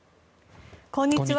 こんにちは。